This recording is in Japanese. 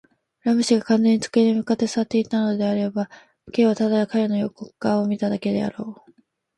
ラム氏が完全に机に向って坐っていたのであれば、Ｋ はただ彼の横顔を見ただけであろう。